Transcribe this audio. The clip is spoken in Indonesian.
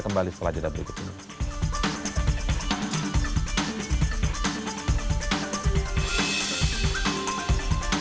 kembali setelah jeda berikut ini